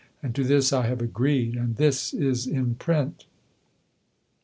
And to this I have agreed! And this is in print!